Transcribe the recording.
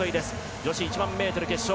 女子１００００ｍ決勝。